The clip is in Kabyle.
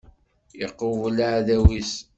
Iqubel aεdaw-is.